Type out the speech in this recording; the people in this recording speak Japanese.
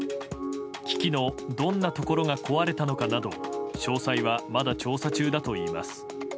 機器のどんなところが壊れたかなど詳細はまだ調査中だといいます。